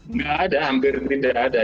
nggak ada hampir tidak ada